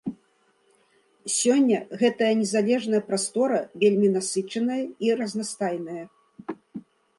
Сёння гэтая незалежная прастора вельмі насычаная і разнастайная.